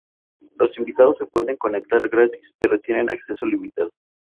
Los invitados se pueden conectar gratis, pero tienen acceso limitado.